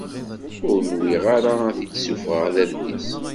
Ur nwiɣ ara ad t-id-ssufɣeɣ d adlis.